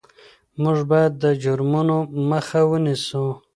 موږ باید د جرمونو مخه ونیسو.